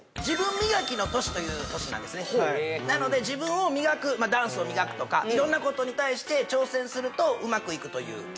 自分磨きの年という年なんですねなので自分を磨くダンスを磨くとかいろんなことに対して挑戦するとうまくいくという